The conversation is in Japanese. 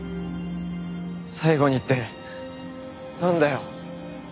最後にってなんだよ？